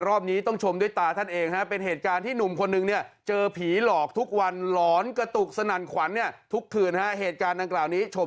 รอบนี้ต้องชมด้วยตาท่านเองฮะเป็นเหตุการณ์ที่หนุ่มคนนึงเนี่ยเจอผีหลอกทุกวันหลอนกระตุกสนั่นขวัญเนี่ยทุกคืนฮะเหตุการณ์ดังกล่าวนี้ชม